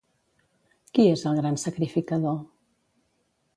Qui és el gran sacrificador?